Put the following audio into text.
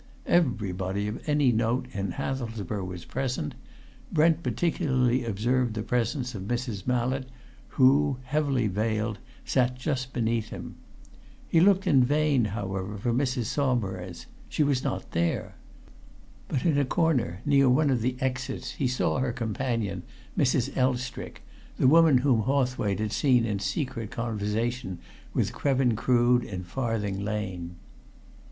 Everybody of any note in Hathelsborough was present; Brent particularly observed the presence of Mrs. Mallett who, heavily veiled, sat just beneath him. He looked in vain, however, for Mrs. Saumarez; she was not there. But in a corner near one of the exits he saw her companion, Mrs. Elstrick, the woman whom Hawthwaite had seen in secret conversation with Krevin Crood in Farthing Lane.